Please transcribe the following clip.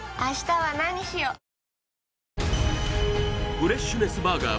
フレッシュネスバーガー